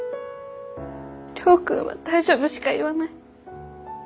亮君は大丈夫しか言わない。